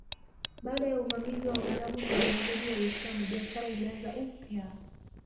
Baada ya uvamizi wa Waarabu na uenezaji wa Uislamu biashara ilianza upya.